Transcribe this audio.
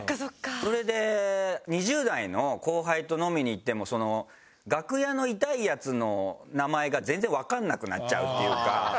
それで２０代の後輩と飲みに行っても楽屋のイタいヤツの名前が全然わかんなくなっちゃうっていうか。